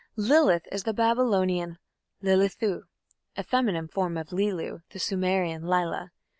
Lilith is the Babylonian Lilithu, a feminine form of Lilu, the Sumerian Lila.